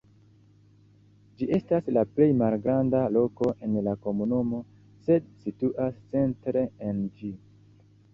Ĝi estas la plej malgranda loko en la komunumo, sed situas centre en ĝi.